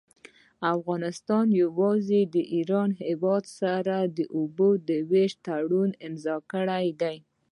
افغانستان يوازي د ايران هيواد سره د اوبو د ويش تړون امضأ کړي دي.